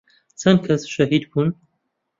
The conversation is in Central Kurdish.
چەند کەس شەهید بوون